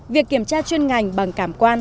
việc kiểm tra chuyên ngành bằng cảm quan